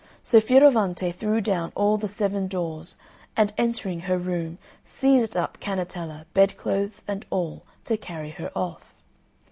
So Fioravante threw down all the seven doors, and, entering her room, seized up Cannetella, bed clothes and all, to carry her off.